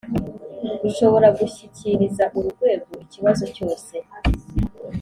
Rushobora gushyikiriza uru rwego ikibazo cyose